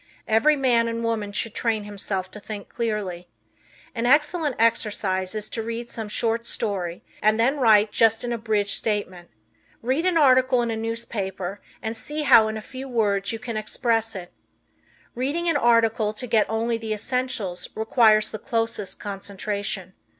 Every man and woman should train himself to think clearly. An excellent exercise is to read some short story and then write just an abridged statement. Read an article in a newspaper, and see in how few words you can express it. Reading an article to get only the essentials requires the closest concentration.